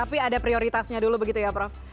tapi ada prioritasnya dulu begitu ya prof